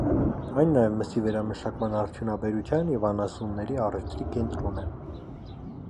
Այն նաև մսի վերամշակման արդյունաբերության և անասունների առևտրի կենտրոն է։